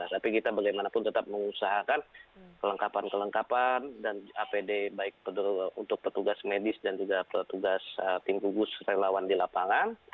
tapi kita bagaimanapun tetap mengusahakan kelengkapan kelengkapan dan apd baik untuk petugas medis dan juga petugas tim gugus relawan di lapangan